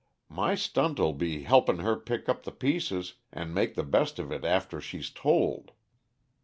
My stunt'll be helpin' her pick up the pieces and make the best of it after she's told."